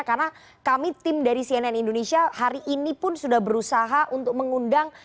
karena kami tim dari cnn indonesia hari ini pun sudah berusaha untuk mengundang